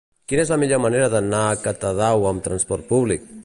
Quina és la millor manera d'anar a Catadau amb transport públic?